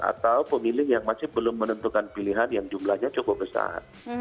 atau pemilih yang masih belum menentukan pilihan yang jumlahnya cukup besar